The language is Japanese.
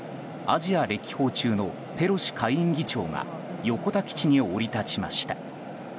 アジア歴訪中のペロシ下院議長が横田基地に降り立ちました。